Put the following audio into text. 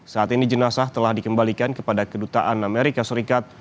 saat ini jenazah telah dikembalikan kepada kedutaan amerika serikat